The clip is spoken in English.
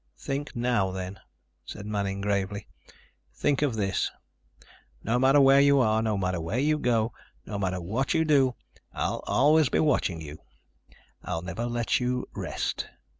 "Think now, then," said Manning gravely. "Think of this. No matter where you are, no matter where you go, no matter what you do, I'll always be watching you, I'll never let you rest.